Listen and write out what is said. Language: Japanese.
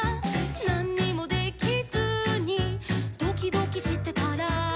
「なんにもできずにドキドキしてたら」